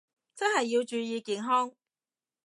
真係要注意健康